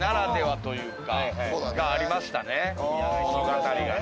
物語がね。